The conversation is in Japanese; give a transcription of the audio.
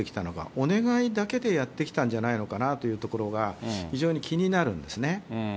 お願いだけでやってきたんじゃないのかなというところが非常に気になるんですね。